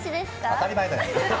当たり前だよ。